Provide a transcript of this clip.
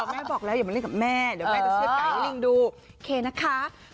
แม่บอกแล้วอย่ามาเล่นกับแม่เดี๋ยวแม่จะเชื่อดไก่ให้ลิงดูเคนะคะ